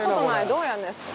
どうやるんですか？